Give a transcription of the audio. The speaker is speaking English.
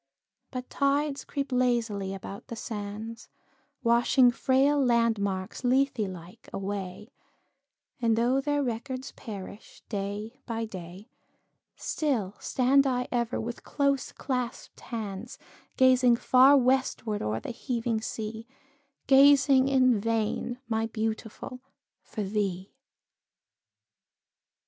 But tides creep lazily about the sands, Washing frail landmarks, Lethe like, away, And though their records perish day by day, Still stand I ever, with close claspèd hands, Gazing far westward o'er the heaving sea, Gazing in vain, my Beautiful, for thee.